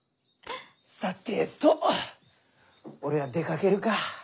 さてと俺は出かけるか。